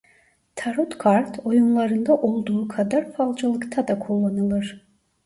Tarot kart oyunlarında olduğu kadar falcılıkta da kullanılır.